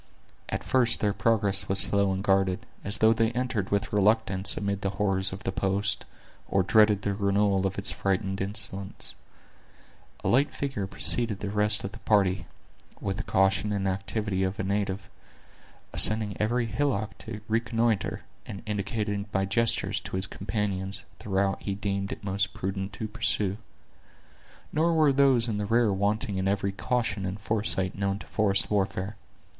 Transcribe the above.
At first their progress was slow and guarded, as though they entered with reluctance amid the horrors of the post, or dreaded the renewal of its frightful incidents. A light figure preceded the rest of the party, with the caution and activity of a native; ascending every hillock to reconnoiter, and indicating by gestures, to his companions, the route he deemed it most prudent to pursue. Nor were those in the rear wanting in every caution and foresight known to forest warfare.